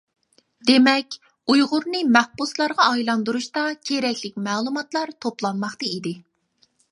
دېمەك، ئۇيغۇرنى مەھبۇسلارغا ئايلاندۇرۇشتا كېرەكلىك مەلۇماتلار توپلانماقتا ئىدى.